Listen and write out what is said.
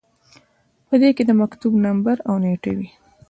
په دې کې د مکتوب نمبر او نیټه وي.